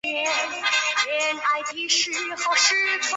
洪正是出生及成长于台湾高雄市的政治工作者。